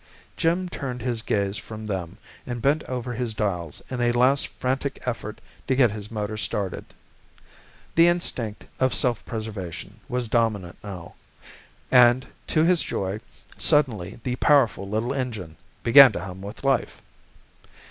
Jim turned his gaze from them and bent over his dials in a last frantic effort to get his motor started. The instinct of self preservation was dominant now and to his joy, suddenly the powerful little engine began to hum with life.